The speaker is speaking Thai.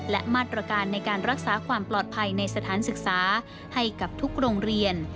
และมาตรการในการรักษาความปลอดภัยในสถานศึกษาให้กับทุกโรงเรียน